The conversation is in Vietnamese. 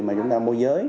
mà chúng ta mô giới